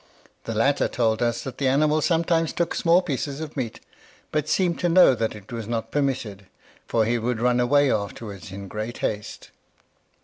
The latter told us that the animal sometimes took small pieces of meat, but seemed to know that it was not permitted, for he would run away afterwards in great haste.